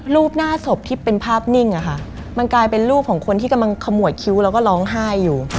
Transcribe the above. รูปหน้าศพที่เป็นภาพนิ่งอะค่ะมันกลายเป็นรูปของคนที่กำลังขมวดคิ้วแล้วก็ร้องไห้อยู่